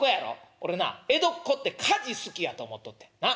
俺な江戸っ子って火事好きやと思っとってんなっ。